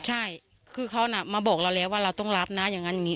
ใช่คือเขาน่ะมาบอกเราแล้วว่าเราต้องรับนะอย่างนั้นอย่างนี้